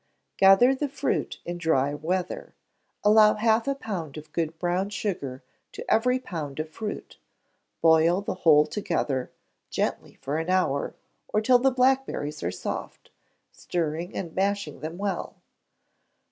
Gather the fruit in dry weather; allow half a pound of good brown sugar to every pound of fruit; boil the whole together gently for an hour, or till the blackberries are soft, stirring and mashing them well.